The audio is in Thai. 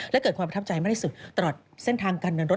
และเกิดความประทับใจมากที่สุดตลอดเส้นทางการเดินรถ